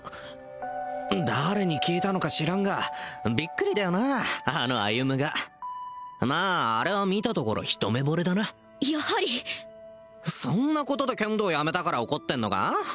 誰に聞いたのか知らんがびっくりだよなあの歩がまああれは見たところ一目ぼれだなやはりそんなことで剣道やめたから怒ってんのか？